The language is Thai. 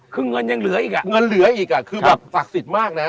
คือเงินยังเหลืออีกอ่ะเงินเหลืออีกอ่ะคือแบบศักดิ์สิทธิ์มากนะ